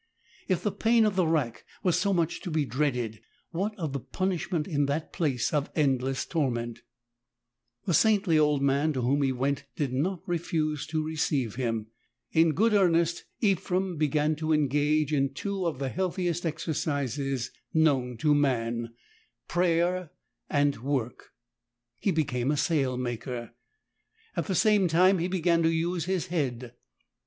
If the pain of the rack was so much to be dreaded, what of the punish ment in that place ol endless torment ? The saintly old man to whom he went did not refuse to receive him. In good earnest Ephrem began to engage in two of the healthiest exercises known to man, viz., prayer and work. He became a sail maker. At the same time he began to use his head.